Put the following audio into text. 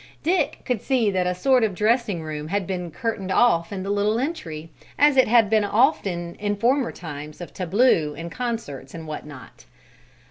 Dick could see that a sort of dressing room had been curtained off in the little entry, as it had often been in former times of tableaux and concerts and what not.